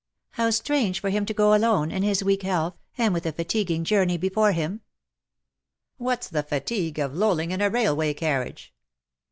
" How strange for him to go alone, in his weak health, and with a fatiguing journey before him.'' " What's the fatigue of lolling in a railway car riage?